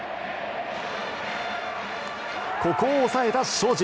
ここを抑えた荘司。